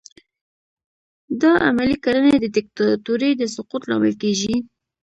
دا عملي کړنې د دیکتاتورۍ د سقوط لامل کیږي.